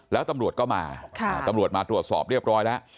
แล้วตำรวจก็มาตำรวจมาตรวจสอบเรียบร้อยแล้ว